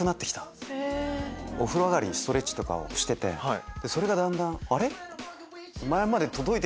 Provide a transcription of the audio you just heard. お風呂上がりにストレッチしててそれがだんだん。